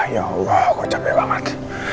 ya allah gue capek banget